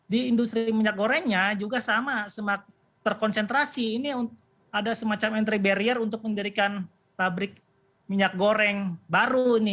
di industri minyak gorengnya juga sama terkonsentrasi ini ada semacam entry barrier untuk mendirikan pabrik minyak goreng baru